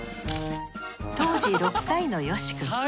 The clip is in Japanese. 当時６歳のよし君。